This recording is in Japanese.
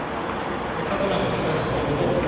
「せっかくなのでお二人も同期とって」。